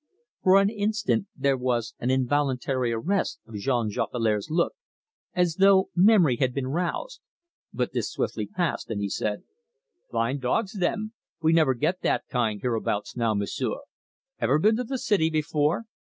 For an instant there was an involuntary arrest of Jean Jolicoeur's look, as though memory had been roused, but this swiftly passed, and he said: "Fine dogs, them! We never get that kind hereabouts now, M'sieu'. Ever been to the city before?"